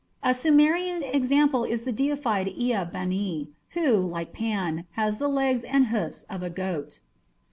A Sumerian example is the deified Ea bani, who, like Pan, has the legs and hoofs of a goat.